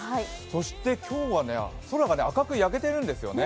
そして今日は空が赤く焼けているんですよね。